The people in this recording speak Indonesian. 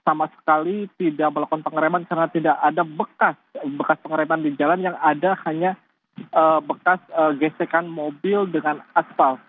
sama sekali tidak melakukan pengereman karena tidak ada bekas pengereman di jalan yang ada hanya bekas gesekan mobil dengan aspal